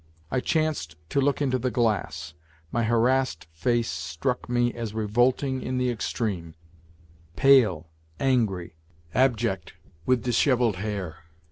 I chanced to look into the glass. My harassed face struck me as revolting in the extreme, pale, angry, abject, with dishevelled hair.